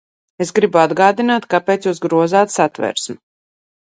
Es gribu atgādināt, kāpēc jūs grozāt Satversmi.